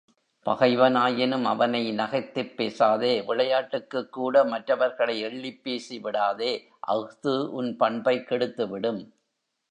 பகைவனாயினும் அவனை நகைத்துப் பேசாதே விளையாட்டுக்குக் கூட மற்றவர்களை எள்ளிப் பேசி விடாதே, அஃது உன் பண்பைக் கெடுத்துவிடும்.